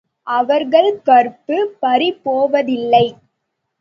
அவர்கள் கற்பு பறிபோவதில்லை.